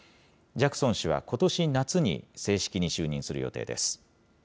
ジャクソン氏はことし夏に正式に就任する予定です。